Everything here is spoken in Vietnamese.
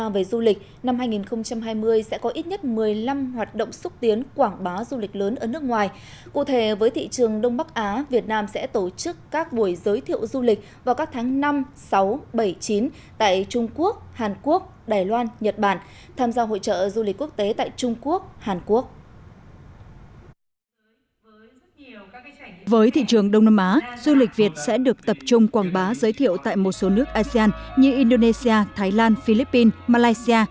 với thị trường đông nam á du lịch việt sẽ được tập trung quảng bá giới thiệu tại một số nước asean như indonesia thái lan philippines malaysia